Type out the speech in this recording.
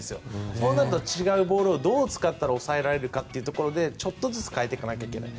そうなると違うボールをどう使ったら抑えられるかというところでちょっとずつ変えていかなきゃいけない。